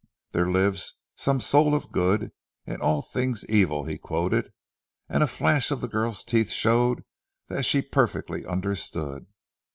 "There lives some soul of good in all things evil," he quoted, and a flash of the girl's teeth showed that she perfectly understood.